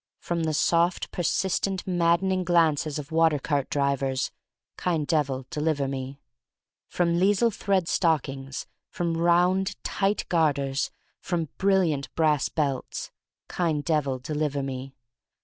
From the soft persistent, maddening glances of water cart drivers: Kind Devil, deliver me. From lisle thread stockings; from round, tight garters; from brilliant brass belts: Kind Devil, deliver me.